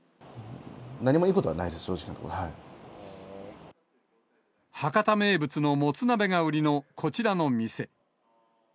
何もいいことはないです、博多名物のもつ鍋が売りのこちらの店。